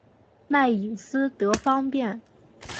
卖隐私得方便